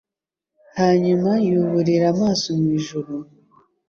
Hanyuma yuburira amaso mu ijuru,